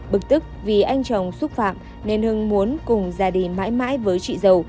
bực tức vì anh chồng xúc phạm nên hưng muốn cùng ra đi mãi mãi với chị giàu